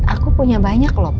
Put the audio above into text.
aku punya banyak lho pak